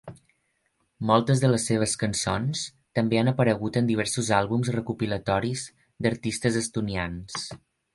Moltes de les seves cançons també han aparegut en diversos àlbums recopilatoris d'artistes estonians.